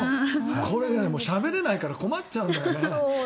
これがしゃべれないから困っちゃうんだよね。